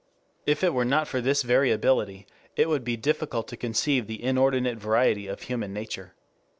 If it were not for this variability, it would be difficult to conceive the inordinate variety of human nature.